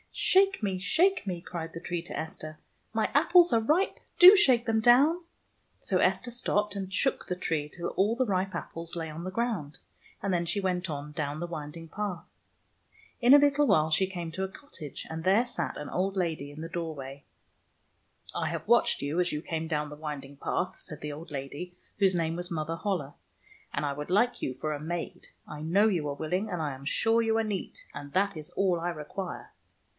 " Shake me! Shake me! " cried the tree to Esther. " My apples are ripe. Do shake them down !" So Esther stopped and shook the tree till all the ripe apples lay on the ground, and then she went on down the winding path. In a little while she came to a cottage, and there sat an old lady in the doorway. [ 150 ] OLD MOTHER HOLLE " I have watched you as you came down the winding path," said the old lady, whose name was Mother Holle, " and I would like you for a maid. I know you are willing, and I am sure you are neat, and that is all I require."